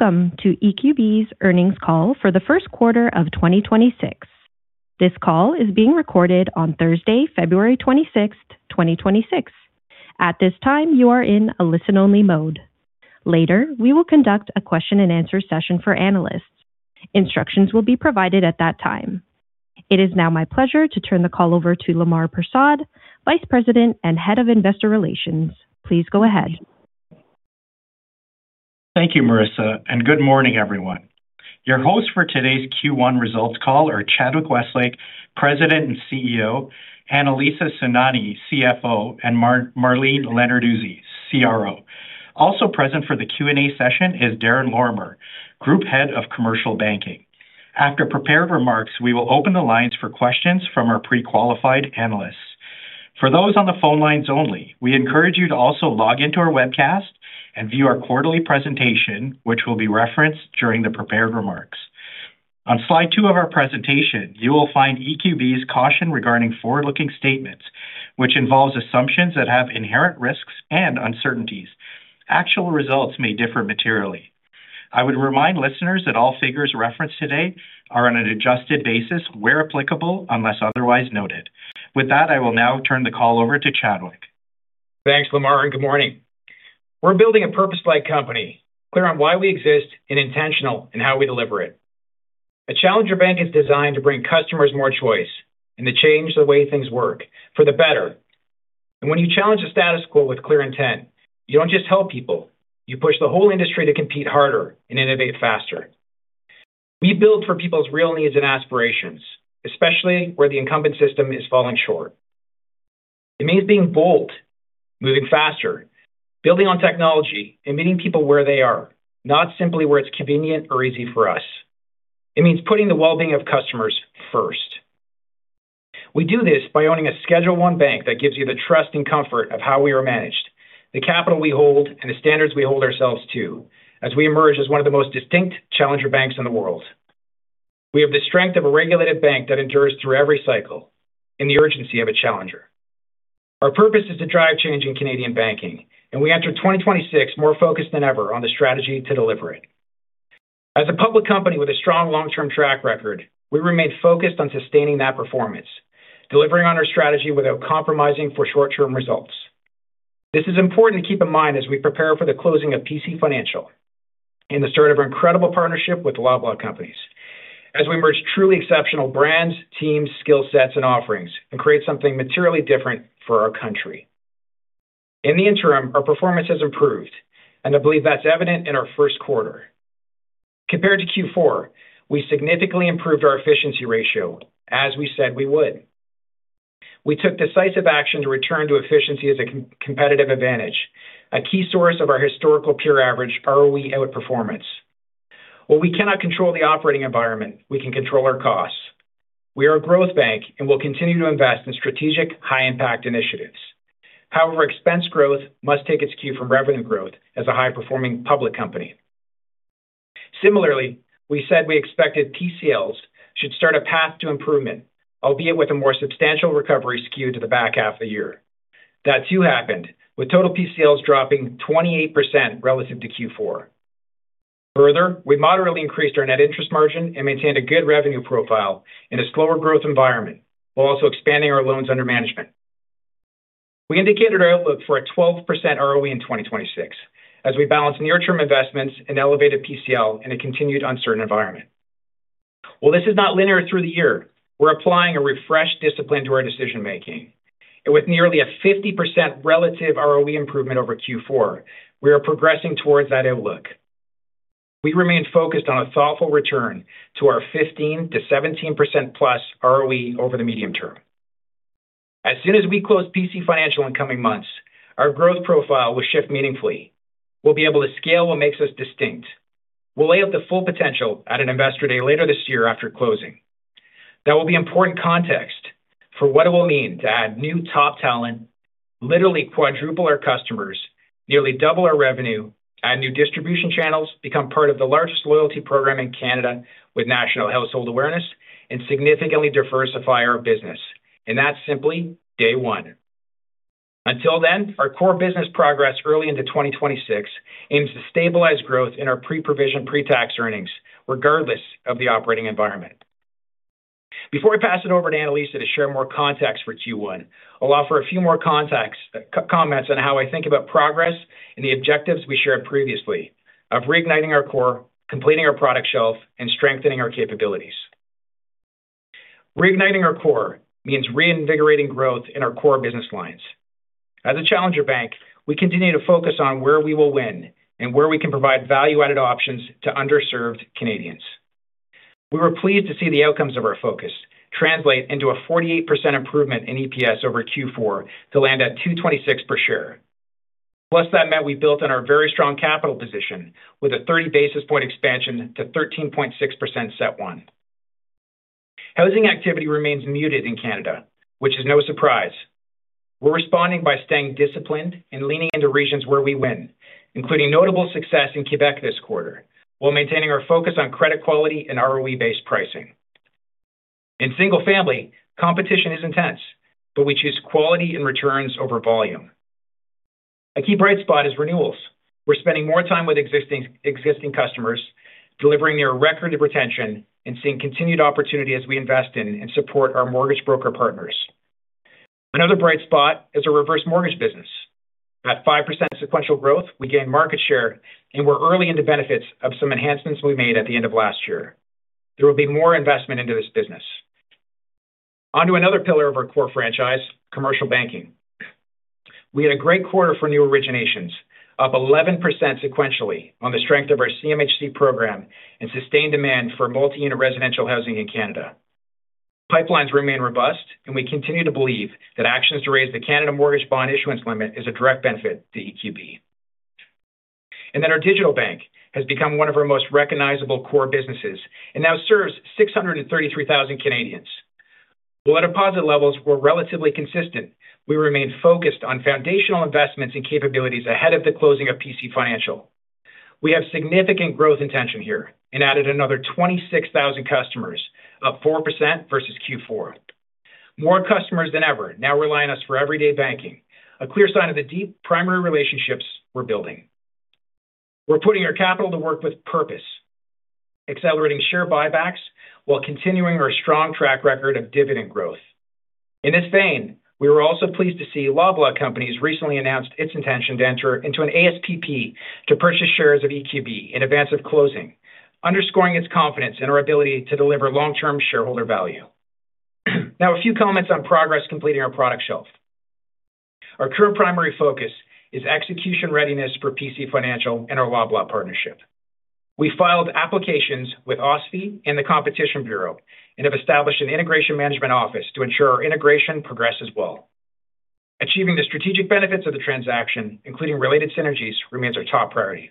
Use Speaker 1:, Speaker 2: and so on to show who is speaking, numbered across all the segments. Speaker 1: Welcome to EQB's Earnings Call for the first quarter of 2026. This call is being recorded on Thursday, February 26, 2026. At this time, you are in a listen-only mode. Later, we will conduct a question-and-answer session for analysts. Instructions will be provided at that time. It is now my pleasure to turn the call over to Lemar Persaud, Vice President and Head of Investor Relations. Please go ahead.
Speaker 2: Thank you, Marissa. Good morning, everyone. Your hosts for today's Q1 results call are Chadwick Westlake, President and CEO, Anilisa Sainani, CFO, and Marlene Lenarduzzi, CRO. Also present for the Q&A session is Darren Lorimer, Group Head of Commercial Banking. After prepared remarks, we will open the lines for questions from our pre-qualified analysts. For those on the phone lines only, we encourage you to also log into our webcast and view our quarterly presentation, which will be referenced during the prepared remarks. On Slide two of our presentation, you will find EQB's caution regarding forward-looking statements, which involves assumptions that have inherent risks and uncertainties. Actual results may differ materially. I would remind listeners that all figures referenced today are on an adjusted basis, where applicable, unless otherwise noted. I will now turn the call over to Chadwick.
Speaker 3: Thanks, Lemar, and good morning. We're building a purpose-led company, clear on why we exist and intentional in how we deliver it. A challenger bank is designed to bring customers more choice and to change the way things work for the better. When you challenge the status quo with clear intent, you don't just help people, you push the whole industry to compete harder and innovate faster. We build for people's real needs and aspirations, especially where the incumbent system is falling short. It means being bold, moving faster, building on technology, and meeting people where they are, not simply where it's convenient or easy for us. It means putting the well-being of customers first. We do this by owning a Schedule I bank that gives you the trust and comfort of how we are managed, the capital we hold, and the standards we hold ourselves to, as we emerge as one of the most distinct challenger banks in the world. We have the strength of a regulated bank that endures through every cycle and the urgency of a challenger. Our purpose is to drive change in Canadian banking. We enter 2026 more focused than ever on the strategy to deliver it. As a public company with a strong long-term track record, we remain focused on sustaining that performance, delivering on our strategy without compromising for short-term results. This is important to keep in mind as we prepare for the closing of PC Financial and the start of our incredible partnership with Loblaw Companies. We merge truly exceptional brands, teams, skill sets, and offerings and create something materially different for our country. In the interim, our performance has improved, and I believe that's evident in our first quarter. Compared to Q4, we significantly improved our efficiency ratio, as we said we would. We took decisive action to return to efficiency as a competitive advantage, a key source of our historical peer average ROE outperformance. We cannot control the operating environment, we can control our costs. We are a growth bank and will continue to invest in strategic, high-impact initiatives. Expense growth must take its cue from revenue growth as a high-performing public company. We said we expected PCLs should start a path to improvement, albeit with a more substantial recovery skew to the back half of the year. That, too, happened, with total PCLs dropping 28% relative to Q4. We moderately increased our net interest margin and maintained a good revenue profile in a slower growth environment, while also expanding our loans under management. We indicated our outlook for a 12% ROE in 2026 as we balance near-term investments and elevated PCL in a continued uncertain environment. This is not linear through the year, we're applying a refreshed discipline to our decision-making. With nearly a 50% relative ROE improvement over Q4, we are progressing towards that outlook. We remain focused on a thoughtful return to our 15%-17%+ ROE over the medium term. As soon as we close PC Financial in coming months, our growth profile will shift meaningfully. We'll be able to scale what makes us distinct. We'll lay out the full potential at an Investor Day later this year after closing. That will be important context for what it will mean to add new top talent, literally quadruple our customers, nearly double our revenue, add new distribution channels, become part of the largest loyalty program in Canada with national household awareness, and significantly diversify our business. That's simply day one. Until then, our core business progress early into 2026 aims to stabilize growth in our pre-provision, pre-tax earnings, regardless of the operating environment. Before I pass it over to Anilisa to share more context for Q1, I'll offer a few more contexts, comments on how I think about progress and the objectives we shared previously of reigniting our core, completing our product shelf, and strengthening our capabilities. Reigniting our core means reinvigorating growth in our core business lines. As a challenger bank, we continue to focus on where we will win and where we can provide value-added options to underserved Canadians. We were pleased to see the outcomes of our focus translate into a 48% improvement in EPS over Q4 to land at 2.26 per share. That meant we built on our very strong capital position with a 30 basis point expansion to 13.6% CET1. Housing activity remains muted in Canada, which is no surprise. We're responding by staying disciplined and leaning into regions where we win, including notable success in Quebec this quarter, while maintaining our focus on credit quality and ROE-based pricing. In single family, competition is intense, but we choose quality and returns over volume. A key bright spot is renewals. We're spending more time with existing customers, delivering near record of retention and seeing continued opportunity as we invest in and support our mortgage broker partners. Another bright spot is a reverse mortgage business. At 5% sequential growth, we gain market share, and we're early in the benefits of some enhancements we made at the end of last year. There will be more investment into this business. Onto another pillar of our core franchise, commercial banking. We had a great quarter for new originations, up 11% sequentially on the strength of our CMHC program and sustained demand for multi-unit residential housing in Canada. Pipelines remain robust, and we continue to believe that actions to raise the Canada Mortgage Bond issuance limit is a direct benefit to EQB. Our Digital Bank has become one of our most recognizable core businesses and now serves 633,000 Canadians. While our deposit levels were relatively consistent, we remain focused on foundational investments and capabilities ahead of the closing of PC Financial. We have significant growth intention here and added another 26,000 customers, up 4% versus Q4. More customers than ever now rely on us for everyday banking, a clear sign of the deep primary relationships we're building. We're putting our capital to work with purpose, accelerating share buybacks while continuing our strong track record of dividend growth. In this vein, we were also pleased to see Loblaw Companies recently announced its intention to enter into an ASPP to purchase shares of EQB in advance of closing, underscoring its confidence in our ability to deliver long-term shareholder value. A few comments on progress completing our product shelf. Our current primary focus is execution readiness for PC Financial and our Loblaw partnership. We filed applications with OSFI and the Competition Bureau and have established an integration management office to ensure our integration progresses well. Achieving the strategic benefits of the transaction, including related synergies, remains our top priority.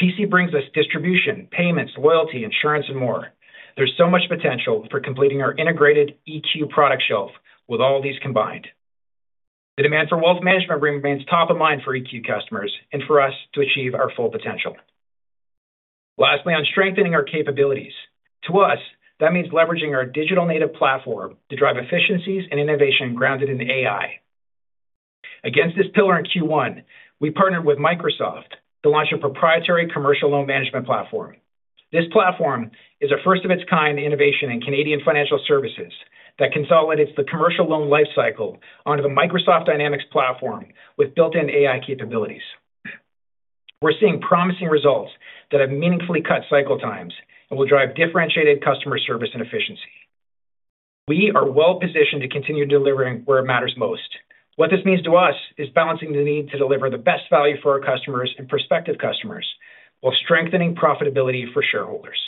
Speaker 3: PC brings us distribution, payments, loyalty, insurance, and more. There's so much potential for completing our integrated EQ product shelf with all these combined. The demand for wealth management remains top of mind for EQ customers and for us to achieve our full potential. On strengthening our capabilities. To us, that means leveraging our digital native platform to drive efficiencies and innovation grounded in AI. Against this pillar in Q1, we partnered with Microsoft to launch a proprietary commercial loan management platform. This platform is a first of its kind innovation in Canadian financial services that consolidates the commercial loan lifecycle onto the Microsoft Dynamics platform with built-in AI capabilities. We're seeing promising results that have meaningfully cut cycle times and will drive differentiated customer service and efficiency. We are well-positioned to continue delivering where it matters most. What this means to us is balancing the need to deliver the best value for our customers and prospective customers, while strengthening profitability for shareholders.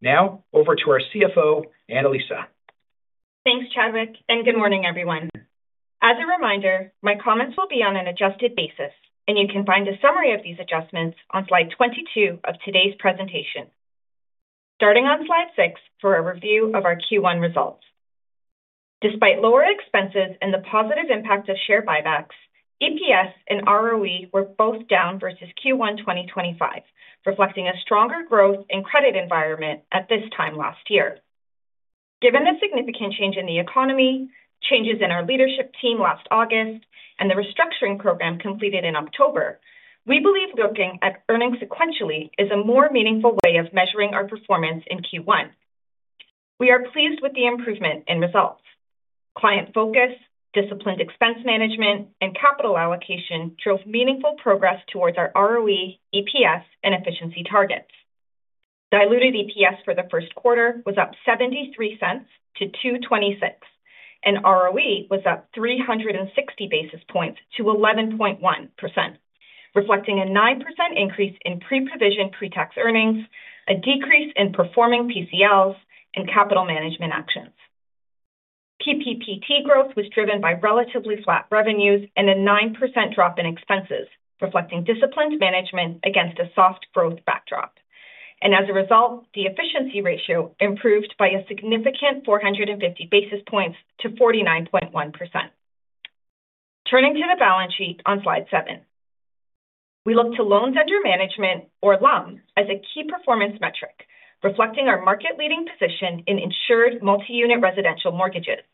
Speaker 3: Now, over to our CFO, Anilisa.
Speaker 4: Thanks, Chadwick. Good morning, everyone. As a reminder, my comments will be on an adjusted basis, and you can find a summary of these adjustments on Slide 22 of today's presentation. Starting on Slide six for a review of our Q1 results. Despite lower expenses and the positive impact of share buybacks, EPS and ROE were both down versus Q1 2025, reflecting a stronger growth and credit environment at this time last year. Given the significant change in the economy, changes in our leadership team last August, and the restructuring program completed in October, we believe looking at earnings sequentially is a more meaningful way of measuring our performance in Q1. We are pleased with the improvement in results. Client focus, disciplined expense management, and capital allocation drove meaningful progress towards our ROE, EPS, and efficiency targets. Diluted EPS for the first quarter was up 0.73 to 2.26, and ROE was up 360 basis points to 11.1%, reflecting a 9% increase in pre-provision, pre-tax earnings, a decrease in performing PCLs and capital management actions. PPPT growth was driven by relatively flat revenues and a 9% drop in expenses, reflecting disciplined management against a soft growth backdrop. As a result, the efficiency ratio improved by a significant 450 basis points to 49.1%. Turning to the balance sheet on Slide seven. We look to loans under management, or LUM, as a key performance metric, reflecting our market-leading position in insured multi-unit residential mortgages.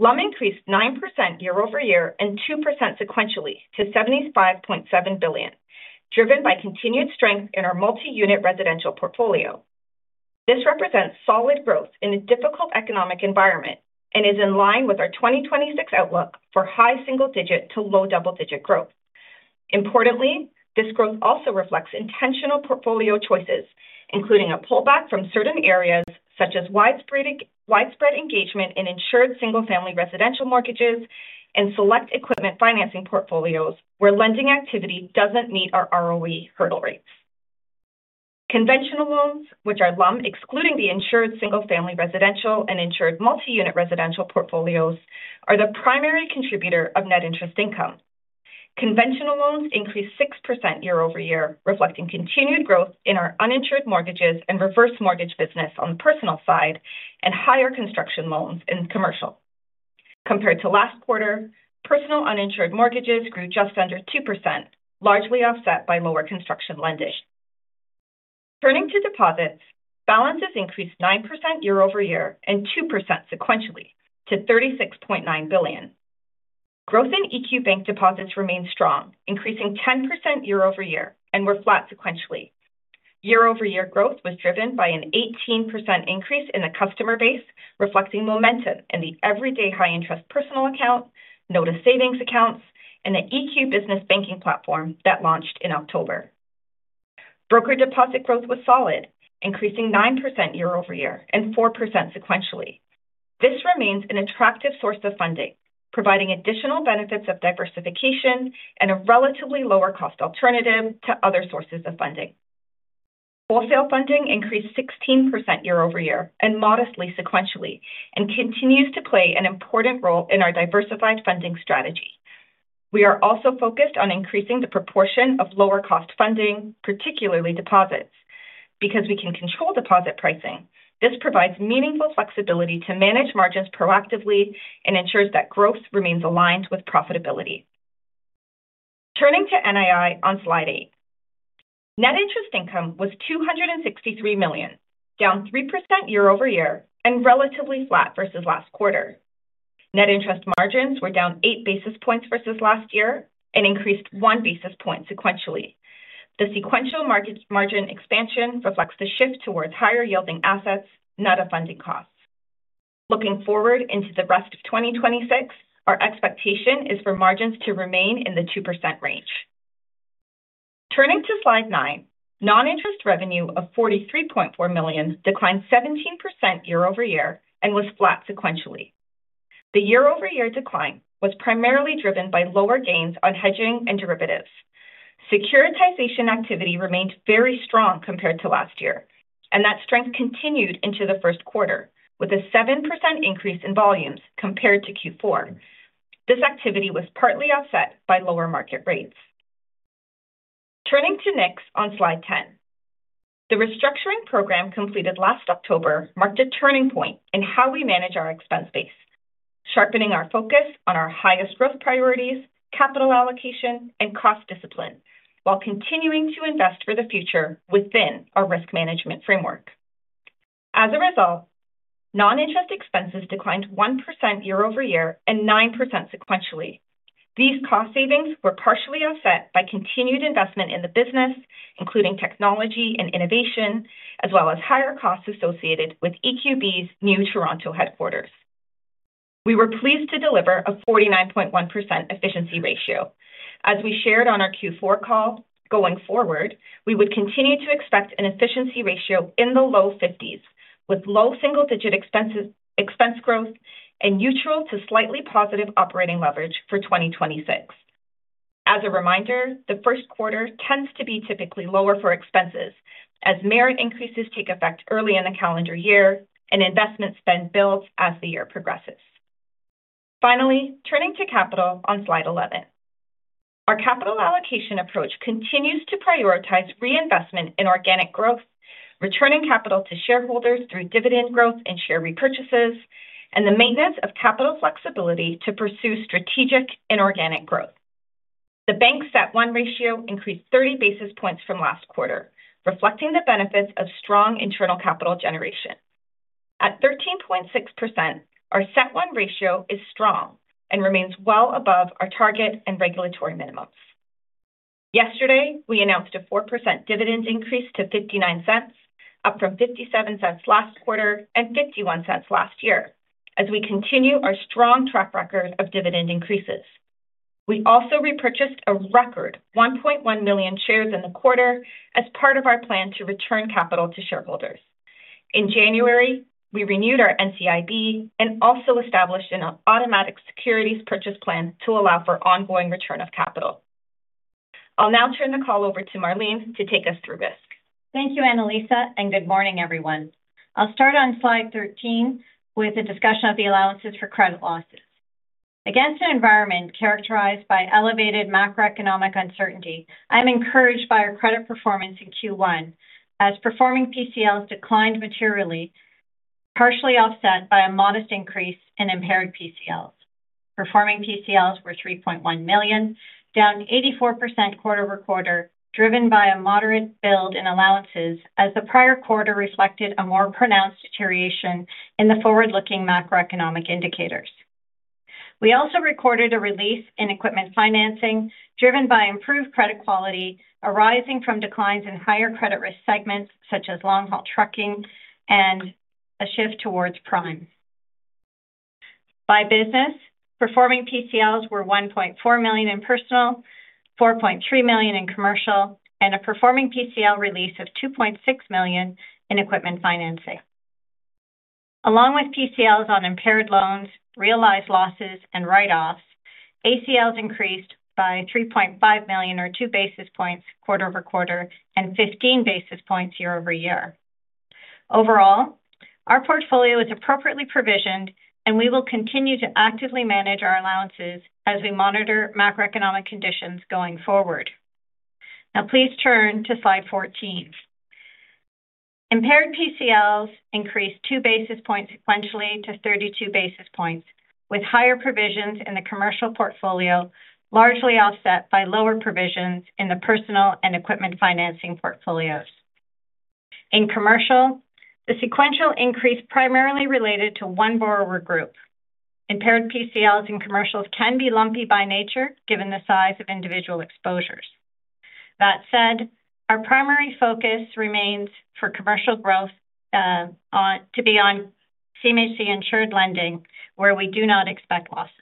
Speaker 4: LUM increased 9% year-over-year and 2% sequentially to 75.7 billion, driven by continued strength in our multi-unit residential portfolio. This represents solid growth in a difficult economic environment and is in line with our 2026 outlook for high single-digit to low double-digit growth. Importantly, this growth also reflects intentional portfolio choices, including a pullback from certain areas such as widespread engagement in insured single-family residential mortgages and select equipment financing portfolios, where lending activity doesn't meet our ROE hurdle rates. Conventional loans, which are LUM, excluding the insured single-family residential and insured multi-unit residential portfolios, are the primary contributor of net interest income. Conventional loans increased 6% year-over-year, reflecting continued growth in our uninsured mortgages and reverse mortgage business on the personal side and higher construction loans in commercial, compared to last quarter, personal uninsured mortgages grew just under 2%, largely offset by lower construction lending. Turning to deposits, balances increased 9% year-over-year and 2% sequentially to 36.9 billion. Growth in EQ Bank deposits remained strong, increasing 10% year-over-year and were flat sequentially. Year-over-year growth was driven by an 18% increase in the customer base, reflecting momentum in the everyday high-interest personal account, notice savings accounts, and the EQ Business Banking platform that launched in October. Broker deposit growth was solid, increasing 9% year-over-year and 4% sequentially. This remains an attractive source of funding, providing additional benefits of diversification and a relatively lower-cost alternative to other sources of funding. Wholesale funding increased 16% year-over-year and modestly sequentially, and continues to play an important role in our diversified funding strategy. We are also focused on increasing the proportion of lower-cost funding, particularly deposits. Because we can control deposit pricing, this provides meaningful flexibility to manage margins proactively and ensures that growth remains aligned with profitability. Turning to NII on Slide eight. Net interest income was 263 million, down 3% year-over-year and relatively flat versus last quarter. Net interest margins were down 8 basis points versus last year and increased 1 basis point sequentially. The sequential market margin expansion reflects the shift towards higher-yielding assets, not a funding cost. Looking forward into the rest of 2026, our expectation is for margins to remain in the 2% range. Turning to Slide nine, non-interest revenue of 43.4 million declined 17% year-over-year and was flat sequentially. The year-over-year decline was primarily driven by lower gains on hedging and derivatives. Securitization activity remained very strong compared to last year. That strength continued into the first quarter, with a 7% increase in volumes compared to Q4. This activity was partly offset by lower market rates. Turning to next, on Slide 10. The restructuring program completed last October marked a turning point in how we manage our expense base, sharpening our focus on our highest growth priorities, capital allocation, and cost discipline while continuing to invest for the future within our risk management framework. As a result, non-interest expenses declined 1% year-over-year and 9% sequentially. These cost savings were partially offset by continued investment in the business, including technology and innovation, as well as higher costs associated with EQB's new Toronto headquarters. We were pleased to deliver a 49.1% efficiency ratio. As we shared on our Q4 call, going forward, we would continue to expect an efficiency ratio in the low 50s, with low single-digit expense growth and neutral to slightly positive operating leverage for 2026. A reminder, the first quarter tends to be typically lower for expenses as merit increases take effect early in the calendar year, and investment spend builds as the year progresses. Turning to capital on Slide 11. Our capital allocation approach continues to prioritize reinvestment in organic growth, returning capital to shareholders through dividend growth and share repurchases, and the maintenance of capital flexibility to pursue strategic inorganic growth. The bank's CET1 ratio increased 30 basis points from last quarter, reflecting the benefits of strong internal capital generation. At 13.6%, our CET1 ratio is strong and remains well above our target and regulatory minimums. Yesterday, we announced a 4% dividend increase to 0.59, up from 0.57 last quarter and 0.51 last year, as we continue our strong track record of dividend increases. We also repurchased a record 1.1 million shares in the quarter as part of our plan to return capital to shareholders. In January, we renewed our NCIB and also established an automatic securities purchase plan to allow for ongoing return of capital. I'll now turn the call over to Marlene to take us through risk.
Speaker 5: Thank you, Anilisa. Good morning, everyone. I'll start on Slide 13 with a discussion of the allowances for credit losses. Against an environment characterized by elevated macroeconomic uncertainty, I'm encouraged by our credit performance in Q1, as performing PCLs declined materially, partially offset by a modest increase in impaired PCLs. Performing PCLs were 3.1 million, down 84% quarter-over-quarter, driven by a moderate build in allowances, as the prior quarter reflected a more pronounced deterioration in the forward-looking macroeconomic indicators. We also recorded a release in equipment financing, driven by improved credit quality arising from declines in higher credit risk segments, such as long-haul trucking and a shift towards prime. By business, performing PCLs were 1.4 million in Personal, 4.3 million in Commercial, and a performing PCL release of 2.6 million in Equipment Financing. Along with PCLs on impaired loans, realized losses, and write-offs, ACLs increased by $3.5 million, or 2 basis points, quarter-over-quarter and 15 basis points year-over-year. Overall, our portfolio is appropriately provisioned, and we will continue to actively manage our allowances as we monitor macroeconomic conditions going forward. Please turn to Slide 14. Impaired PCLs increased 2 basis points sequentially to 32 basis points, with higher provisions in the Commercial portfolio, largely offset by lower provisions in the Personal and Equipment Financing portfolios. In Commercial, the sequential increase primarily related to one borrower group. Impaired PCLs in commercials can be lumpy by nature, given the size of individual exposures. That said, our primary focus remains for commercial growth to be on CMHC insured lending, where we do not expect losses.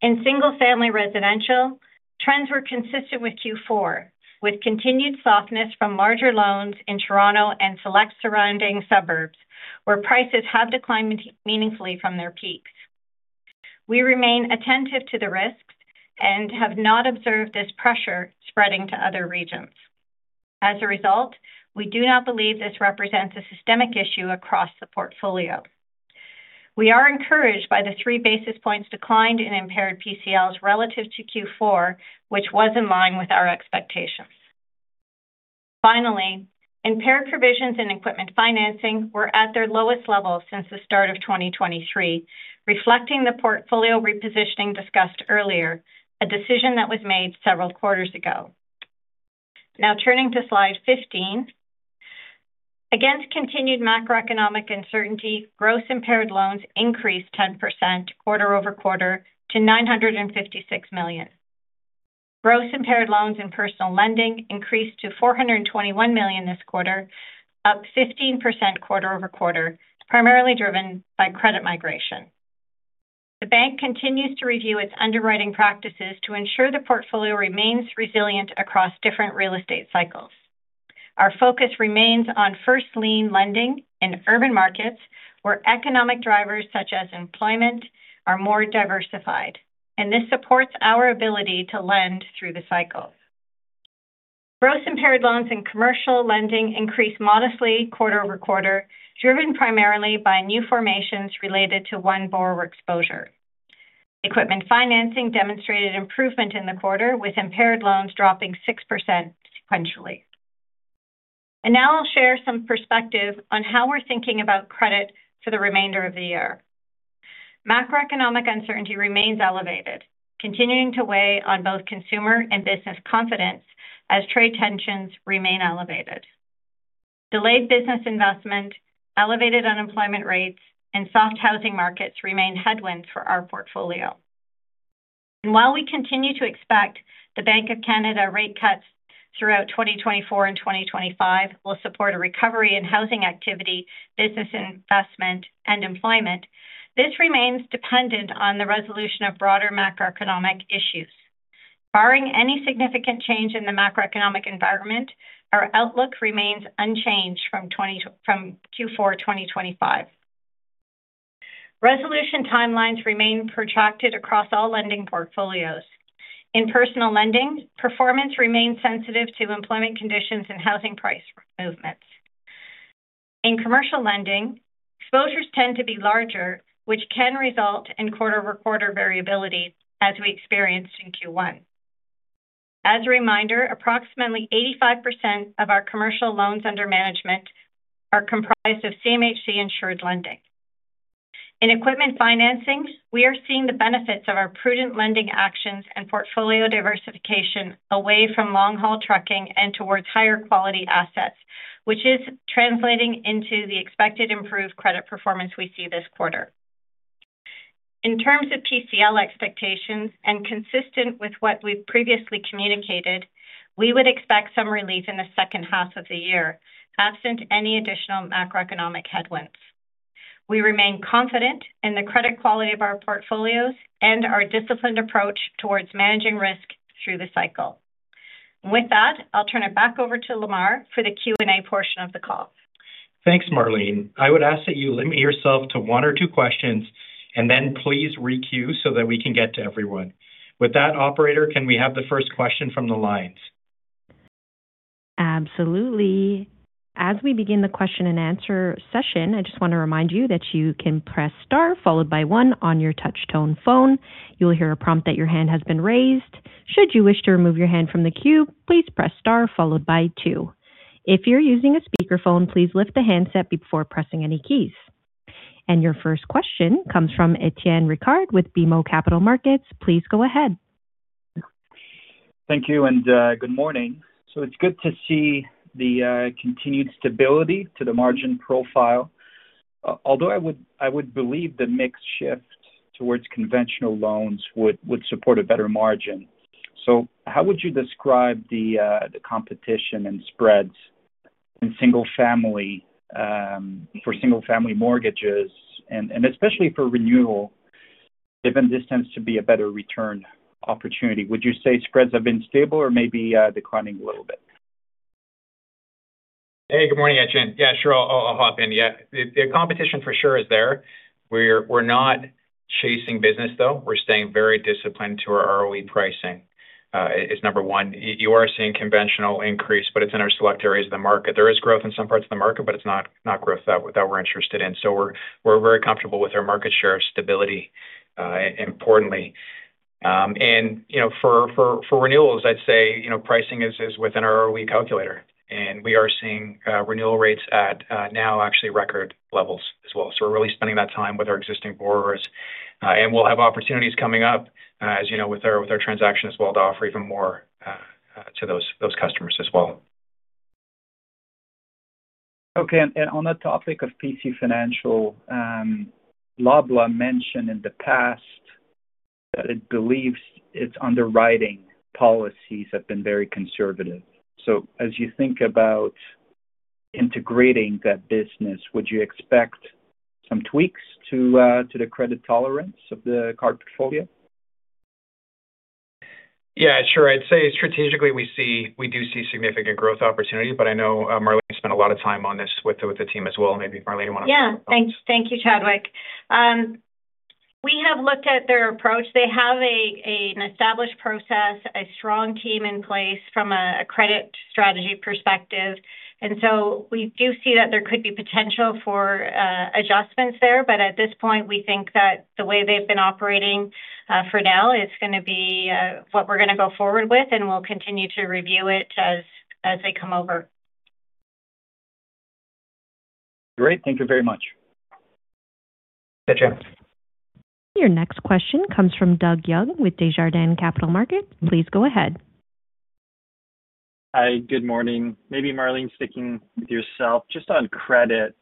Speaker 5: In single-family residential, trends were consistent with Q4, with continued softness from larger loans in Toronto and select surrounding suburbs, where prices have declined meaningfully from their peaks. We remain attentive to the risks and have not observed this pressure spreading to other regions. We do not believe this represents a systemic issue across the portfolio. We are encouraged by the 3 basis points declined in impaired PCLs relative to Q4, which was in line with our expectations. Impaired provisions in equipment financing were at their lowest level since the start of 2023, reflecting the portfolio repositioning discussed earlier, a decision that was made several quarters ago. Turning to Slide 15. Against continued macroeconomic uncertainty, gross impaired loans increased 10% quarter-over-quarter to 956 million. Gross impaired loans in personal lending increased to 421 million this quarter, up 15% quarter-over-quarter, primarily driven by credit migration. The bank continues to review its underwriting practices to ensure the portfolio remains resilient across different real estate cycles. Our focus remains on first lien lending in urban markets, where economic drivers such as employment are more diversified. This supports our ability to lend through the cycles. Gross impaired loans in commercial lending increased modestly quarter-over-quarter, driven primarily by new formations related to one borrower exposure. Equipment financing demonstrated improvement in the quarter, with impaired loans dropping 6% sequentially. Now I'll share some perspective on how we're thinking about credit for the remainder of the year. Macroeconomic uncertainty remains elevated, continuing to weigh on both consumer and business confidence as trade tensions remain elevated. Delayed business investment, elevated unemployment rates, soft housing markets remain headwinds for our portfolio. While we continue to expect the Bank of Canada rate cuts throughout 2024 and 2025 will support a recovery in housing activity, business investment and employment, this remains dependent on the resolution of broader macroeconomic issues. Barring any significant change in the macroeconomic environment, our outlook remains unchanged from Q4 2025. Resolution timelines remain protracted across all lending portfolios. In personal lending, performance remains sensitive to employment conditions and housing price movements. In commercial lending, exposures tend to be larger, which can result in quarter-over-quarter variability, as we experienced in Q1. As a reminder, approximately 85% of our commercial loans under management are comprised of CMHC-insured lending. In Equipment Financings, we are seeing the benefits of our prudent lending actions and portfolio diversification away from long-haul trucking and towards higher quality assets, which is translating into the expected improved credit performance we see this quarter. In terms of PCL expectations, and consistent with what we've previously communicated, we would expect some relief in the second half of the year, absent any additional macroeconomic headwinds. We remain confident in the credit quality of our portfolios and our disciplined approach towards managing risk through the cycle. With that, I'll turn it back over to Lemar for the Q&A portion of the call.
Speaker 2: Thanks, Marlene. I would ask that you limit yourself to one or two questions, and then please re-queue so that we can get to everyone. With that, operator, can we have the first question from the lines?
Speaker 1: Absolutely. As we begin the question-and-answer session, I just want to remind you that you can press Star, followed by One on your touch tone phone. You will hear a prompt that your hand has been raised. Should you wish to remove your hand from the queue, please press Star followed by Two. If you're using a speakerphone, please lift the handset before pressing any keys. Your first question comes from Étienne Ricard with BMO Capital Markets. Please go ahead.
Speaker 6: Thank you, good morning. It's good to see the continued stability to the margin profile. Although I would believe the mix shift towards conventional loans would support a better margin. How would you describe the competition and spreads in single family for single-family mortgages, and especially for renewal, given this tends to be a better return opportunity? Would you say spreads have been stable or maybe declining a little bit?
Speaker 3: Hey, good morning, Étienne. Yeah, sure, I'll hop in. Yeah, the competition for sure is there. We're not chasing business, though. We're staying very disciplined to our ROE pricing is number one. You are seeing conventional increase, but it's in our select areas of the market. There is growth in some parts of the market, but it's not growth that we're interested in. We're very comfortable with our market share stability, importantly. You know, for renewals, I'd say, you know, pricing is within our ROE calculator, and we are seeing renewal rates at now actually record levels as well. We're really spending that time with our existing borrowers. We'll have opportunities coming up, as you know, with our transaction as well, to offer even more to those customers as well.
Speaker 6: Okay. On the topic of PC Financial, Loblaw mentioned in the past that it believes its underwriting policies have been very conservative. As you think about integrating that business, would you expect some tweaks to the credit tolerance of the card portfolio?
Speaker 3: Yeah, sure. I'd say strategically, we do see significant growth opportunity, but I know, Marlene spent a lot of time on this with the, with the team as well. Maybe Marlene, you want to?
Speaker 5: Yeah. Thanks. Thank you, Chadwick. We have looked at their approach. They have an established process, a strong team in place from a credit strategy perspective. We do see that there could be potential for adjustments there, but at this point, we think that the way they've been operating for now is gonna be what we're gonna go forward with, and we'll continue to review it as they come over.
Speaker 6: Great. Thank you very much.
Speaker 3: Thank you.
Speaker 1: Your next question comes from Doug Young with Desjardins Capital Markets. Please go ahead.
Speaker 7: Hi, good morning. Maybe Marlene, sticking with yourself, just on credit,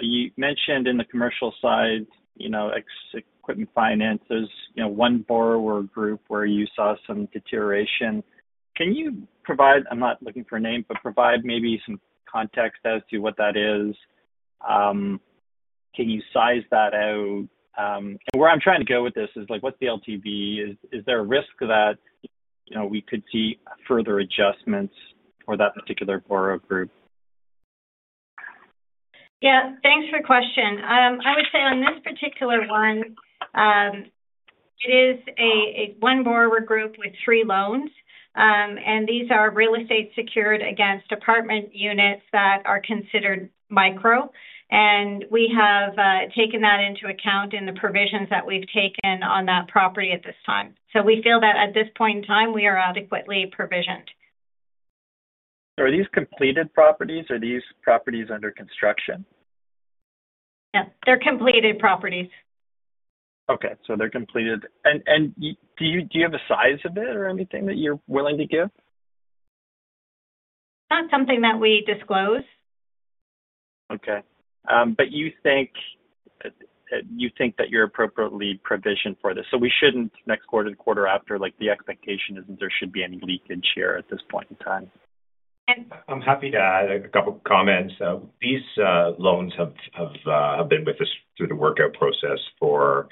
Speaker 7: you mentioned in the commercial side, you know, ex-equipment finances, you know, one borrower group where you saw some deterioration. Can you provide, I'm not looking for a name, but provide maybe some context as to what that is? Can you size that out? Where I'm trying to go with this is, like, what's the LTV? Is there a risk that, you know, we could see further adjustments for that particular borrower group?
Speaker 5: Yeah. Thanks for the question. I would say on this particular one, it is a one borrower group with three loans. These are real estate secured against apartment units that are considered micro, and we have taken that into account in the provisions that we've taken on that property at this time. We feel that at this point in time, we are adequately provisioned.
Speaker 7: Are these completed properties or are these properties under construction?
Speaker 5: Yeah, they're completed properties.
Speaker 7: They're completed. Do you have a size of it or anything that you're willing to give?
Speaker 5: Not something that we disclose.
Speaker 7: You think that you're appropriately provisioned for this? We shouldn't, next quarter, the quarter after, the expectation isn't there should be any leakage here at this point in time.
Speaker 5: And-
Speaker 8: I'm happy to add a couple comments. These loans have been with us through the workout process for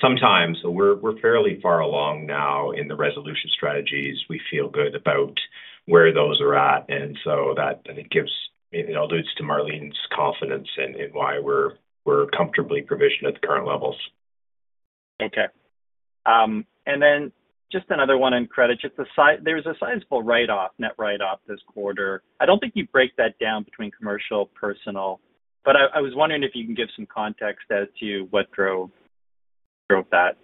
Speaker 8: some time. We're fairly far along now in the resolution strategies. We feel good about where those are at. It gives, it alludes to Marlene's confidence in why we're comfortably provisioned at the current levels.
Speaker 7: Okay. Then just another one on credit. Just there's a sizable write-off, net write-off this quarter. I don't think you break that down between Commercial and Personal. I was wondering if you can give some context as to what drove that?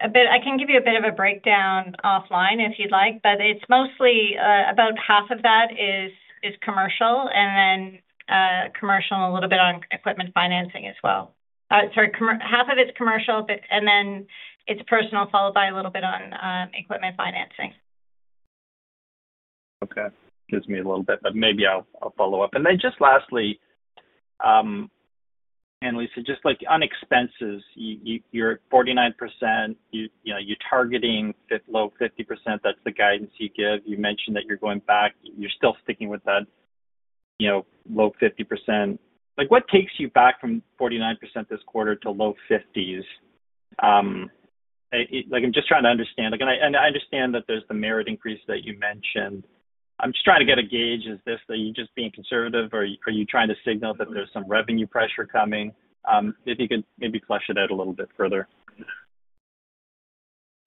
Speaker 5: I can give you a bit of a breakdown offline if you'd like, but it's mostly, about half of that is Commercial and then, Commercial, a little bit on Equipment Financing as well. Sorry, Half of it's Commercial, but, and then it's Personal, followed by a little bit on, equipment Financing.
Speaker 7: Okay. Gives me a little bit, but maybe I'll follow up. Just lastly, Anilisa, just like on expenses, you're at 49%, you know, you're targeting low 50%. That's the guidance you give. You mentioned that you're going back, you're still sticking with that, you know, low 50%. Like, what takes you back from 49% this quarter to low 50%? Like, I'm just trying to understand. Like, and I understand that there's the merit increase that you mentioned. I'm just trying to get a gauge. Is this that you're just being conservative, or are you trying to signal that there's some revenue pressure coming? If you could maybe flesh it out a little bit further.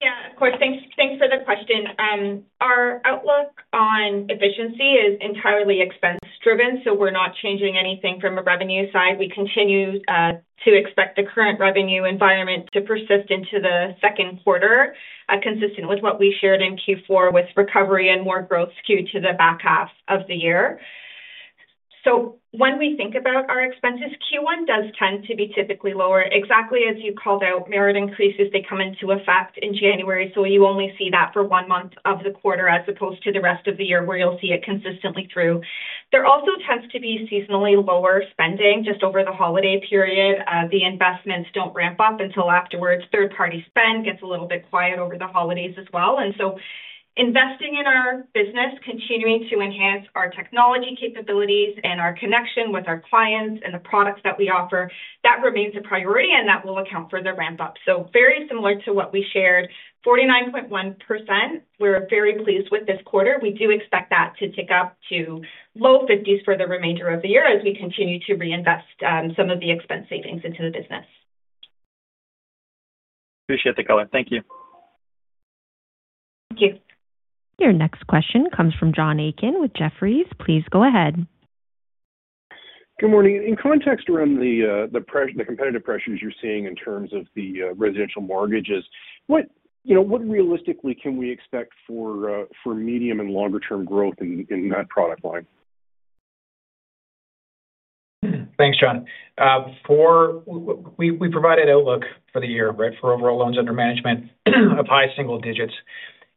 Speaker 4: Yeah, of course. Thanks for the question. Our outlook on efficiency is entirely expense-driven, so we're not changing anything from a revenue side. We continue to expect the current revenue environment to persist into the second quarter, consistent with what we shared in Q4, with recovery and more growth skewed to the back half of the year. When we think about our expenses, Q1 does tend to be typically lower, exactly as you called out. Merit increases, they come into effect in January, so you only see that for one month of the quarter, as opposed to the rest of the year, where you'll see it consistently through. There also tends to be seasonally lower spending just over the holiday period. The investments don't ramp up until afterwards. Third-party spend gets a little bit quiet over the holidays as well. Investing in our business, continuing to enhance our technology capabilities and our connection with our clients and the products that we offer, that remains a priority, and that will account for the ramp up. Very similar to what we shared, 49.1%. We're very pleased with this quarter. We do expect that to tick up to low 50s% for the remainder of the year, as we continue to reinvest some of the expense savings into the business.
Speaker 7: Appreciate the color. Thank you.
Speaker 4: Thank you.
Speaker 1: Your next question comes from John Aiken with Jefferies. Please go ahead.
Speaker 9: Good morning. In context around the competitive pressures you're seeing in terms of the residential mortgages, what, you know, what realistically can we expect for medium and longer term growth in that product line?
Speaker 3: Thanks, John. We provided outlook for the year, right? For overall loans under management of high single digits.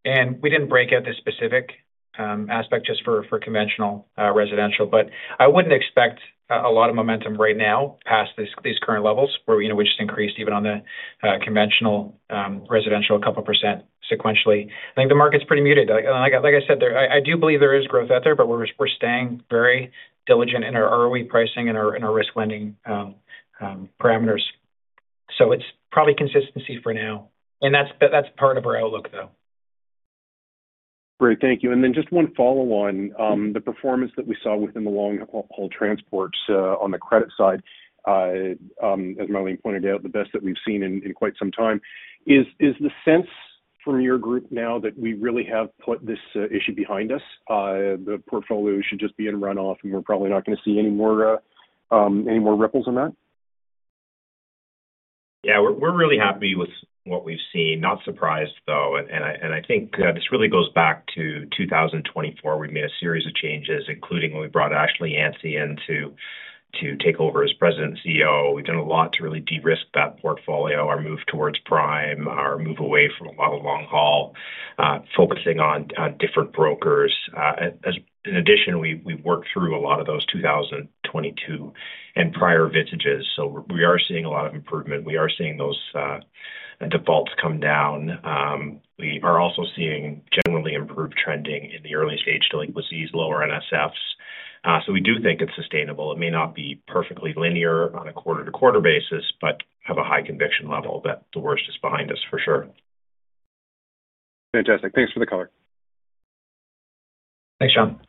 Speaker 3: We didn't break out the specific aspect just for conventional residential. I wouldn't expect a lot of momentum right now past these current levels, where, you know, we just increased even on the conventional residential, 2% sequentially. I think the market's pretty muted. Like I said, there I do believe there is growth out there, but we're staying very diligent in our early pricing and our risk lending parameters. It's probably consistency for now, and that's, but that's part of our outlook, though.
Speaker 9: Great. Thank you. Just one follow-on. The performance that we saw within the long haul transport on the credit side, as Marlene pointed out, the best that we've seen in quite some time. Is the sense from your group now that we really have put this issue behind us? The portfolio should just be in runoff, and we're probably not gonna see any more ripples on that?
Speaker 8: Yeah, we're really happy with what we've seen. Not surprised, though, and I think this really goes back to 2024, where we made a series of changes, including when we brought Ashley Yantzi in to take over as President and CEO. We've done a lot to really de-risk that portfolio, our move towards prime, our move away from a lot of long haul, focusing on different brokers. As an addition, we've worked through a lot of those 2022 and prior vintages, so we are seeing a lot of improvement. We are seeing those defaults come down. We are also seeing generally improved trending in the early-stage delinquencies, lower NSFs. So we do think it's sustainable. It may not be perfectly linear on a quarter-to-quarter basis, but have a high conviction level that the worst is behind us for sure.
Speaker 9: Fantastic. Thanks for the color.
Speaker 3: Thanks, John.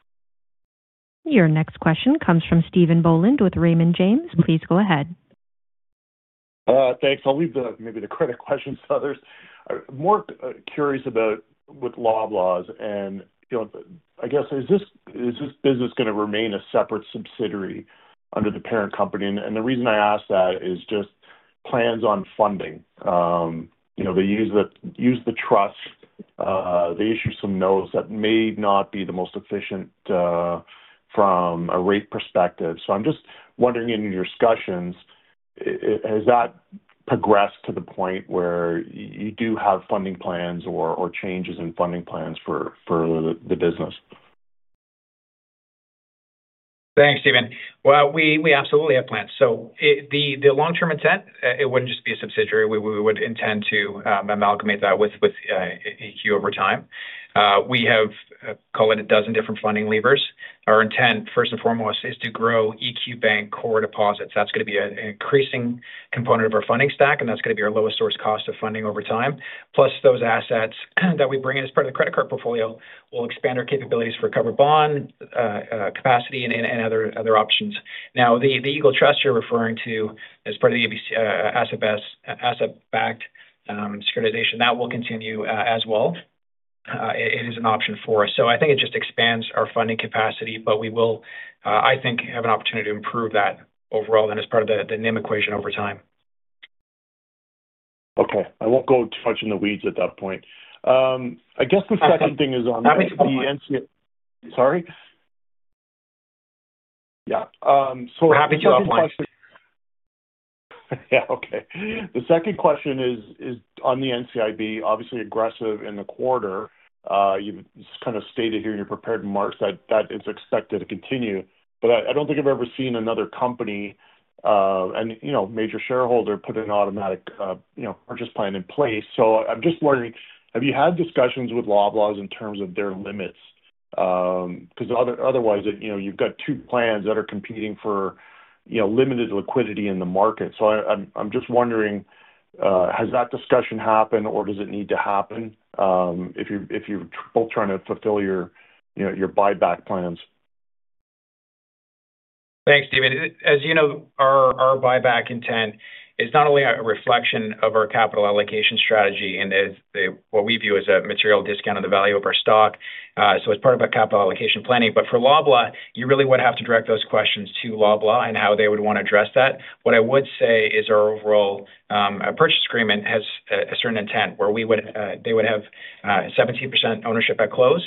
Speaker 1: Your next question comes from Stephen Boland with Raymond James. Please go ahead.
Speaker 10: Thanks. I'll leave the, maybe the credit questions to others. I'm more curious about with Loblaw and, you know, I guess, is this, is this business gonna remain a separate subsidiary under the parent company? The reason I ask that is just plans on funding. You know, they use the, use the trust, they issue some notes that may not be the most efficient from a rate perspective. I'm just wondering, in your discussions, has that progressed to the point where you do have funding plans or changes in funding plans for the business?
Speaker 3: Thanks, Stephen. We absolutely have plans. The long-term intent, it wouldn't just be a subsidiary. We would intend to amalgamate that with EQB over time. We have call it a dozen different funding levers. Our intent, first and foremost, is to grow EQ Bank core deposits. That's gonna be an increasing component of our funding stack, and that's gonna be our lowest source cost of funding over time. Those assets that we bring in as part of the credit card portfolio will expand our capabilities for covered bond capacity and other options. The Eagle Trust you're referring to as part of the ABS, asset-backed securitization, that will continue as well. It is an option for us. I think it just expands our funding capacity, but we will, I think, have an opportunity to improve that overall and as part of the NIM equation over time.
Speaker 10: Okay. I won't go touching the weeds at that point. I guess the second thing is.
Speaker 3: Happy to-
Speaker 10: Sorry? Yeah,
Speaker 3: Happy to offline.
Speaker 10: Yeah. Okay. The second question is on the NCIB, obviously aggressive in the quarter. You've kind of stated here in your prepared remarks that is expected to continue. I don't think I've ever seen another company, and, you know, major shareholder, put an automatic, you know, purchase plan in place. I'm just wondering, have you had discussions with Loblaw in terms of their limits? 'Cause otherwise, you know, you've got two plans that are competing for, you know, limited liquidity in the market. I'm just wondering, has that discussion happened, or does it need to happen, if you're both trying to fulfill your, you know, your buyback plans?
Speaker 3: Thanks, Stephen. As you know, our buyback intent is not only a reflection of our capital allocation strategy and is what we view as a material discount on the value of our stock. As part of a capital allocation planning, but for Loblaw, you really would have to direct those questions to Loblaw and how they would want to address that. What I would say is our overall purchase agreement has a certain intent, where we would, they would have 17% ownership at close.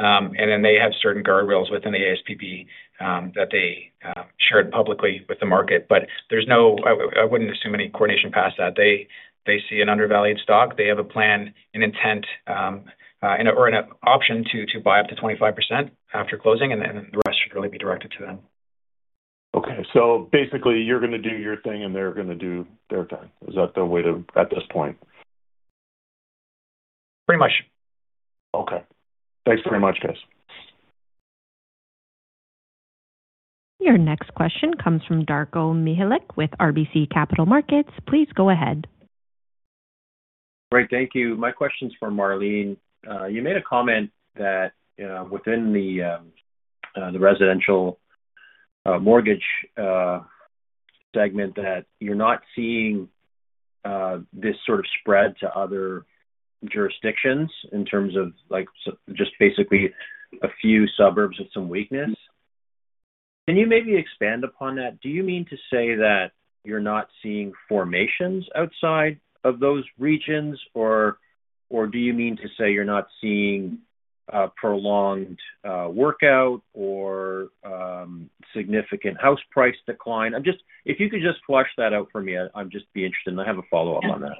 Speaker 3: Then they have certain guardrails within the ASPP that they shared publicly with the market. There's no. I wouldn't assume any coordination past that. They see an undervalued stock. They have a plan, an intent, and/or an option to buy up to 25% after closing, and then the rest should really be directed to them.
Speaker 10: Okay. Basically, you're gonna do your thing, and they're gonna do their thing. Is that the way to at this point?
Speaker 3: Pretty much.
Speaker 10: Okay. Thanks very much, guys.
Speaker 1: Your next question comes from Darko Mihelic with RBC Capital Markets. Please go ahead.
Speaker 11: Great. Thank you. My question's for Marlene. You made a comment that within the mortgage segment, that you're not seeing this sort of spread to other jurisdictions in terms of like just basically a few suburbs with some weakness. Can you maybe expand upon that? Do you mean to say that you're not seeing formations outside of those regions, or do you mean to say you're not seeing prolonged workout or significant house price decline? If you could just flush that out for me, I'd just be interested. I have a follow-up on that.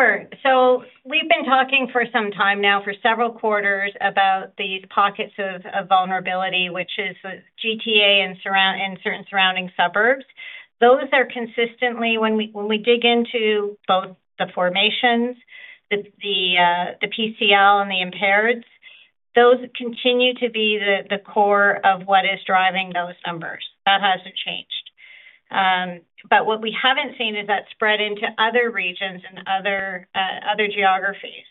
Speaker 5: Sure. We've been talking for some time now, for several quarters, about these pockets of vulnerability, which is the GTA and surround, and certain surrounding suburbs. Those are consistently, when we dig into both the formations, the PCL and the impaired, those continue to be the core of what is driving those numbers. That hasn't changed. What we haven't seen is that spread into other regions and other geographies.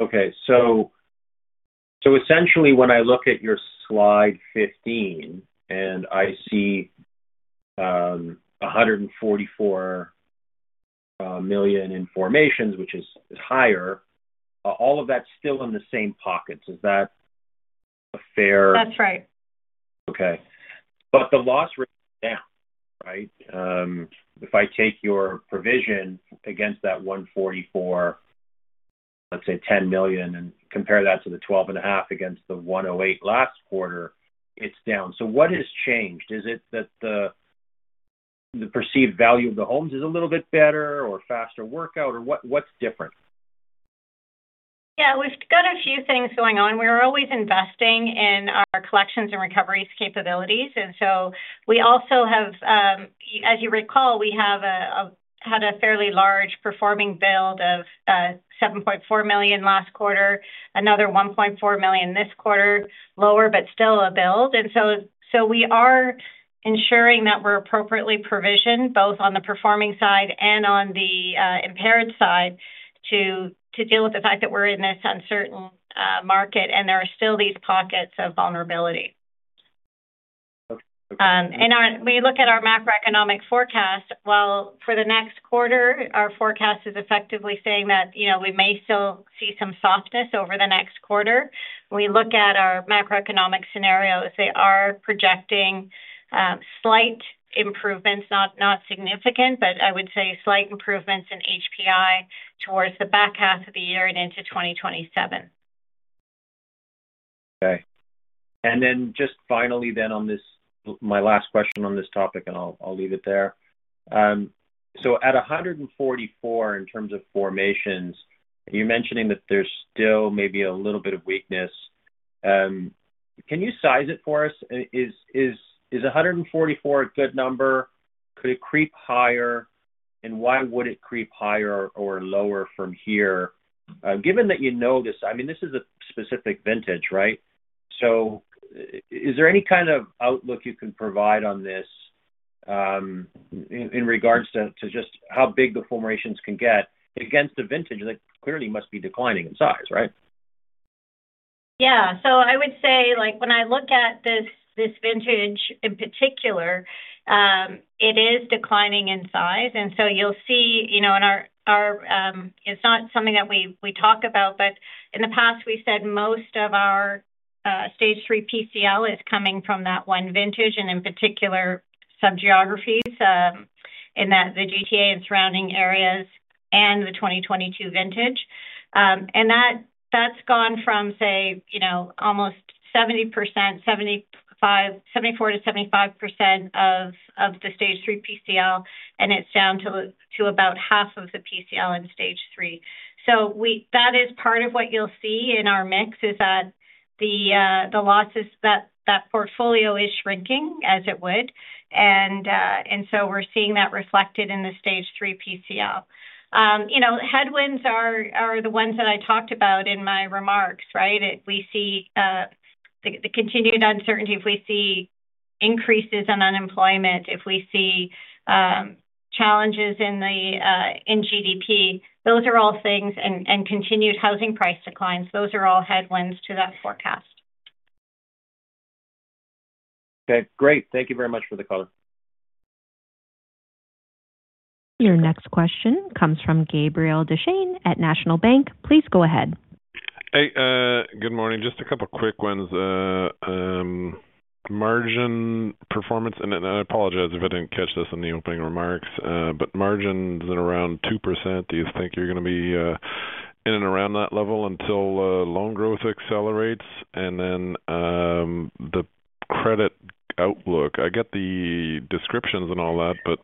Speaker 11: Okay, essentially, when I look at your Slide 15, and I see 144 million in formations, which is higher, all of that's still in the same pockets. Is that a fair?
Speaker 5: That's right.
Speaker 11: Okay. The loss rate is down, right? If I take your provision against that 144 million, let's say 10 million, and compare that to the 12.5 million against the 108 million last quarter, it's down. What has changed? Is it that the perceived value of the homes is a little bit better or faster workout or what's different?
Speaker 5: We've got a few things going on. We're always investing in our collections and recoveries capabilities. We also have, as you recall, we had a fairly large performing build of 7.4 million last quarter, another 1.4 million this quarter, lower, but still a build. We are ensuring that we're appropriately provisioned, both on the performing side and on the impaired side, to deal with the fact that we're in this uncertain market and there are still these pockets of vulnerability.
Speaker 11: Okay.
Speaker 5: We look at our macroeconomic forecast, well, for the next quarter, our forecast is effectively saying that, you know, we may still see some softness over the next quarter. We look at our macroeconomic scenarios, they are projecting, slight improvements, not significant, but I would say slight improvements in HPI towards the back half of the year and into 2027.
Speaker 11: Okay. Then just finally then, on this, my last question on this topic, and I'll leave it there. At 144 million, in terms of formations, you're mentioning that there's still maybe a little bit of weakness. Can you size it for us? Is 144 million a good number? Could it creep higher, and why would it creep higher or lower from here? Given that you know this, I mean, this is a specific vintage, right? Is there any kind of outlook you can provide on this, in regards to just how big the formations can get against a vintage that clearly must be declining in size, right?
Speaker 5: I would say, like, when I look at this vintage in particular, it is declining in size. You'll see, you know, in our it's not something that we talk about, but in the past we've said most of our stage three PCL is coming from that one vintage, and in particular, some geographies in that the GTA and surrounding areas and the 2022 vintage. That's gone from say, you know, almost 70%, 75%, 74%-75% of the stage three PCL, and it's down to about half of the PCL in stage three. That is part of what you'll see in our mix, is that the losses, that portfolio is shrinking as it would, and so we're seeing that reflected in the stage three PCL. You know, headwinds are the ones that I talked about in my remarks, right? If we see the continued uncertainty, if we see increases in unemployment, if we see challenges in the GDP, those are all things, and continued housing price declines. Those are all headwinds to that forecast.
Speaker 11: Okay, great. Thank you very much for the call.
Speaker 1: Your next question comes from Gabriel Dechaine at National Bank. Please go ahead.
Speaker 12: Good morning. Just a couple quick ones. Margin performance, I apologize if I didn't catch this in the opening remarks, but margins at around 2%, do you think you're going to be in and around that level until loan growth accelerates? The credit outlook, I get the descriptions and all that, but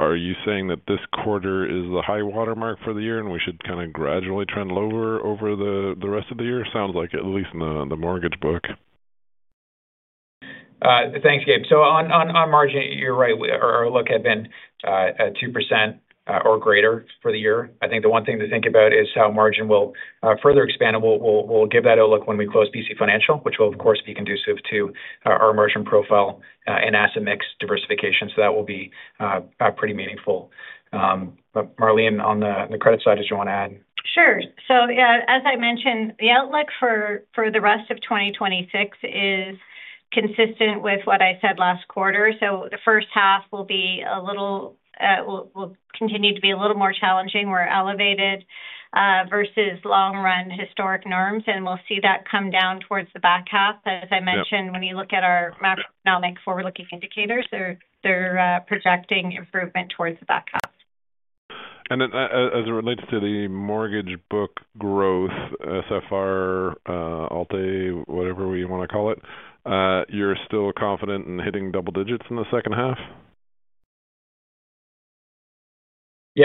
Speaker 12: are you saying that this quarter is the high watermark for the year, and we should kind of gradually trend lower over the rest of the year? It sounds like, at least in the mortgage book.
Speaker 3: Thanks, Gabe. On margin, you're right. Our look had been at 2%, or greater for the year. I think the one thing to think about is how margin will further expand, and we'll give that outlook when we close PC Financial, which will, of course, be conducive to our margin profile and asset mix diversification. That will be pretty meaningful. Marlene, on the credit side, did you want to add?
Speaker 5: Sure. Yeah, as I mentioned, the outlook for the rest of 2026 is consistent with what I said last quarter. The first half will be a little, will continue to be a little more challenging. We're elevated versus long-run historic norms, and we'll see that come down towards the back half. As I mentioned, when you look at our macroeconomic forward-looking indicators, they're projecting improvement towards the back half.
Speaker 12: As it relates to the mortgage book growth, SFR, Alt-A, whatever you want to call it, you're still confident in hitting double digits in the second half?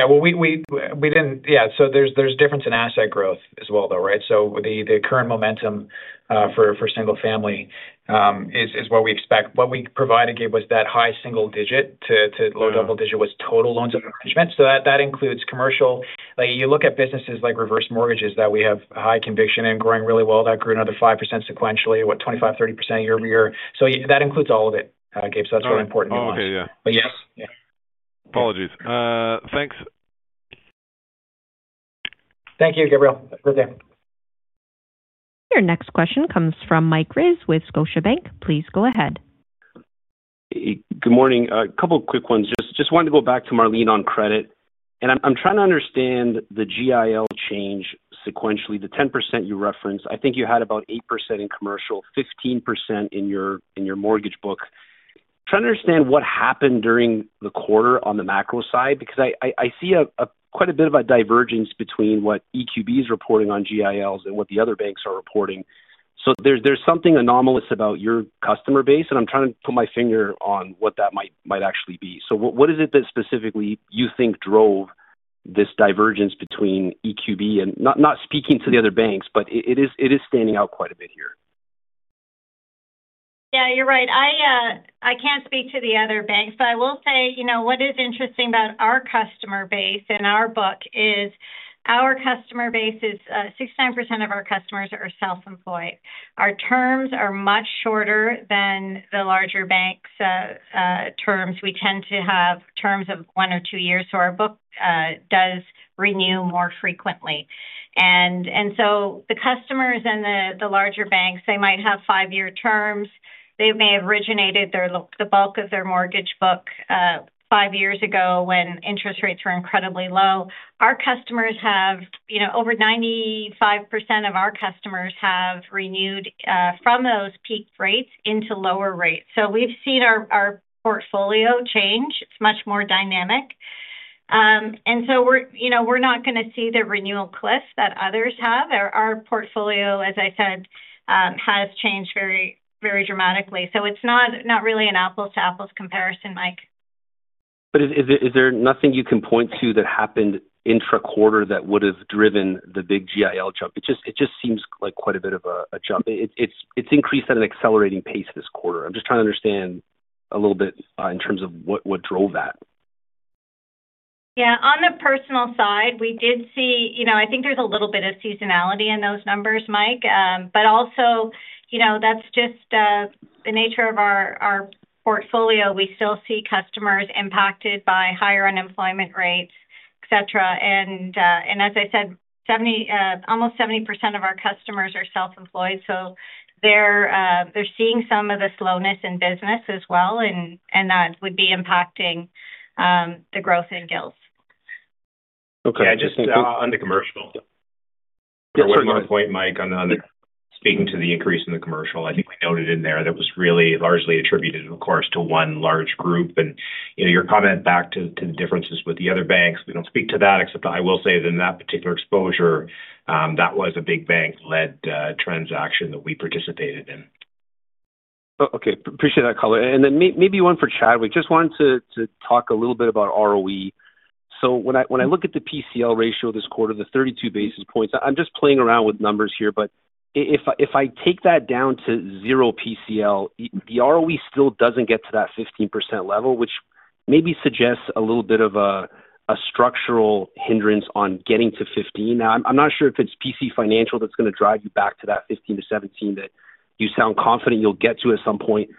Speaker 3: Well, we didn't. There's difference in asset growth as well, though, right? The current momentum for single family is what we expect. What we provided, Gabe, was that high single digit to. low double digit was total loans and arrangements. That includes commercial. Like, you look at businesses like reverse mortgages, that we have high conviction and growing really well, that grew another 5% sequentially. What? 25%-30% year over year. That includes all of it, Gabe. That's really important.
Speaker 12: Okay. Yeah.
Speaker 3: Yes. Yeah.
Speaker 12: Apologies. Thanks.
Speaker 3: Thank you, Gabriel. Good day.
Speaker 1: Your next question comes from Mike Rizvanovic with Scotiabank. Please go ahead.
Speaker 13: Good morning. A couple of quick ones. Just wanted to go back to Marlene on credit, and I'm trying to understand the GIL change sequentially, the 10% you referenced. I think you had about 8% in Commercial, 15% in your mortgage book. Trying to understand what happened during the quarter on the macro side, because I see a quite a bit of a divergence between what EQB is reporting on GILs and what the other banks are reporting. There's something anomalous about your customer base, and I'm trying to put my finger on what that might actually be. What is it that specifically you think drove this divergence between EQB and... Not speaking to the other banks, but it is standing out quite a bit here.
Speaker 5: Yeah, you're right. I can't speak to the other banks, but I will say, you know, what is interesting about our customer base and our book is our customer base is 69% of our customers are self-employed. Our terms are much shorter than the larger banks' terms. We tend to have terms of one or two years, so our book does renew more frequently. The customers and the larger banks, they might have five-year terms. They may have originated the bulk of their mortgage book five years ago, when interest rates were incredibly low. Our customers have. You know, over 95% of our customers have renewed from those peak rates into lower rates. We've seen our portfolio change. It's much more dynamic. We're, you know, we're not gonna see the renewal cliff that others have. Our portfolio, as I said, has changed very dramatically. It's not really an apples to apples comparison, Mike.
Speaker 13: Is there nothing you can point to that happened intra-quarter that would have driven the big GIL jump? It just seems like quite a bit of a jump. It's increased at an accelerating pace this quarter. I'm just trying to understand a little bit in terms of what drove that.
Speaker 5: Yeah. On the Personal side, we did see... You know, I think there's a little bit of seasonality in those numbers, Mike. Also, you know, that's just the nature of our portfolio. We still see customers impacted by higher unemployment rates, et cetera. As I said, almost 70% of our customers are self-employed, so they're seeing some of the slowness in business as well, and that would be impacting the growth in GILs.
Speaker 13: Okay.
Speaker 3: Yeah, just, on the Commercial.
Speaker 13: Yeah.
Speaker 8: To your point, Mike, on the, speaking to the increase in the Commercial, I think we noted in there that was really largely attributed, of course, to one large group. You know, your comment back to the differences with the other banks. We don't speak to that, except I will say that in that particular exposure, that was a big bank-led transaction that we participated in.
Speaker 13: Okay. Appreciate that color. Then maybe one for Chad. We just wanted to talk a little bit about ROE. When I, when I look at the PCL ratio this quarter, the 32 basis points, I'm just playing around with numbers here, but if I take that down to 0 PCL, the ROE still doesn't get to that 15% level, which maybe suggests a little bit of a structural hindrance on getting to 15%. Now, I'm not sure if it's PC Financial that's gonna drive you back to that 15%-17% that you sound confident you'll get to at some point.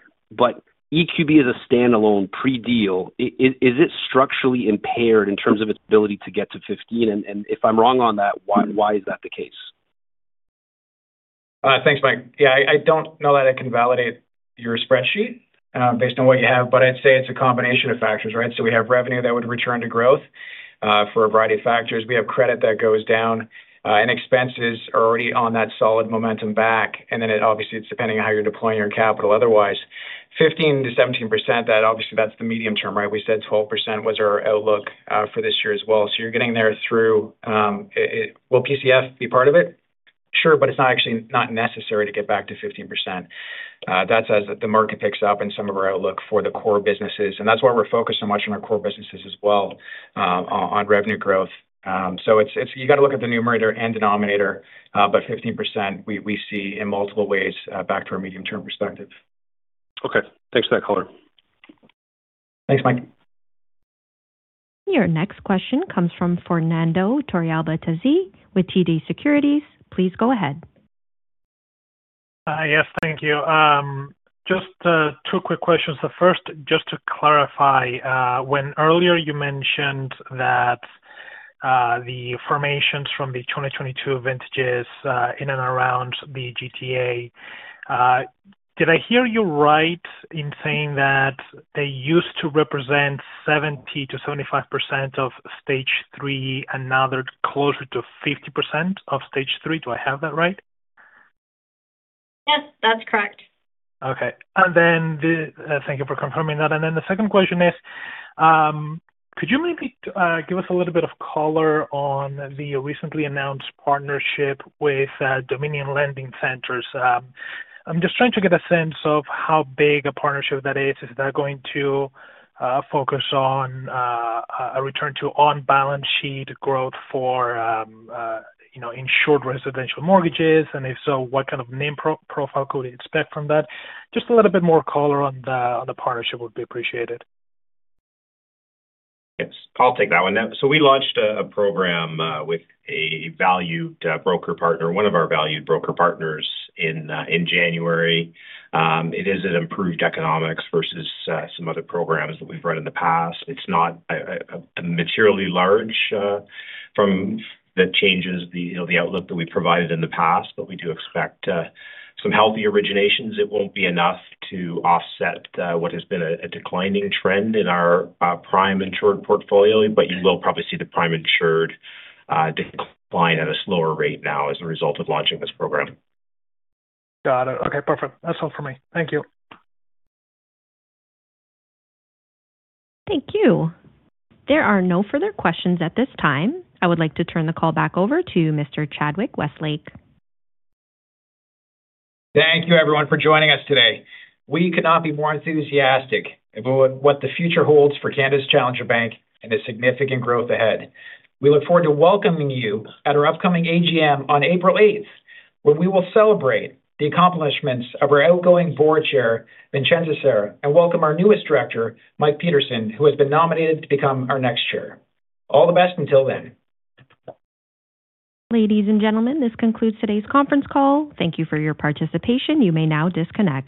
Speaker 13: EQB is a standalone pre-deal. Is it structurally impaired in terms of its ability to get to 15%? If I'm wrong on that, why is that the case?
Speaker 3: Thanks, Mike. Yeah, I don't know that I can validate your spreadsheet based on what you have, but I'd say it's a combination of factors, right? We have revenue that would return to growth for a variety of factors. We have credit that goes down, and expenses are already on that solid momentum back. It obviously, it's depending on how you're deploying your capital. Otherwise, 15%-17%, that obviously, that's the medium term, right? We said 12% was our outlook for this year as well. You're getting there through it. Will PCF be part of it? Sure, but it's not actually, not necessary to get back to 15%. That says that the market picks up and some of our outlook for the core businesses, and that's why we're focused so much on our core businesses as well, on revenue growth. It's, you got to look at the numerator and denominator. 15% we see in multiple ways, back to our medium-term perspective.
Speaker 13: Okay, thanks for that color.
Speaker 3: Thanks, Mike.
Speaker 1: Your next question comes from Fernando Torrealba with TD Securities. Please go ahead.
Speaker 14: Yes, thank you. Just two quick questions. The first, just to clarify, when earlier you mentioned that the formations from the 2022 vintages in and around the GTA, did I hear you right in saying that they used to represent 70%-75% of stage three, and now they're closer to 50% of stage three? Do I have that right?
Speaker 5: Yes, that's correct.
Speaker 14: Okay, thank you for confirming that. Then the second question is, could you maybe give us a little bit of color on the recently announced partnership with Dominion Lending Centres? I'm just trying to get a sense of how big a partnership that is. Is that going to focus on a return to on-balance sheet growth for, you know, insured residential mortgages? If so, what kind of name pro-profile could we expect from that? Just a little bit more color on the partnership would be appreciated.
Speaker 8: Yes, I'll take that one. We launched a program with a valued broker partner, one of our valued broker partners in January. It is an improved economics versus some other programs that we've run in the past. It's not a materially large from the changes, the, you know, the outlook that we provided in the past, but we do expect some healthy originations. It won't be enough to offset what has been a declining trend in our prime insured portfolio, but you will probably see the prime insured decline at a slower rate now as a result of launching this program.
Speaker 14: Got it. Okay, perfect. That's all for me. Thank you.
Speaker 1: Thank you. There are no further questions at this time. I would like to turn the call back over to Mr. Chadwick Westlake.
Speaker 3: Thank you, everyone, for joining us today. We could not be more enthusiastic about what the future holds for Canada's Challenger Bank and the significant growth ahead. We look forward to welcoming you at our upcoming AGM on April 8th, where we will celebrate the accomplishments of our outgoing Board Chair, Vincenza Sera, and welcome our newest Director, Mike Pedersen, who has been nominated to become our next Chair. All the best until then.
Speaker 1: Ladies and gentlemen, this concludes today's conference call. Thank you for your participation. You may now disconnect.